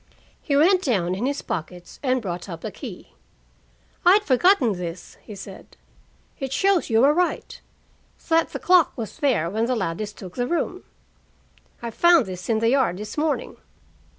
He went down in his pockets and brought up a key. "I'd forgotten this," he said. "It shows you were right that the clock was there when the Ladleys took the room. I found this in the yard this morning."